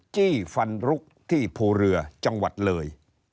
จี้ฟันลุกที่ภูเรือจังหวัดเลย